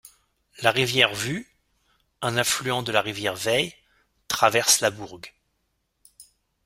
La rivière Wu, un affluent de la rivière Wei, traverse la bourg.